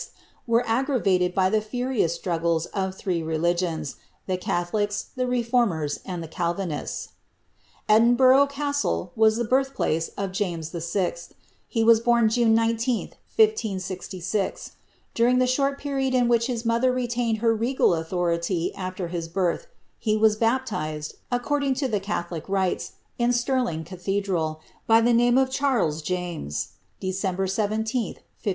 were aggravated by the iurioufl struggles of three religiona, the catholics, the reformers, and the calvinists. Edinbuiigh Castle was the birth place of James VL He was bom Jane 19, 1MI6. During the short period in which his mother retained her regal authority after his birth, he was baptized, according to the eetholic rites, in Stirling Gathednd, by the name of Charles James, December 17, 1M6.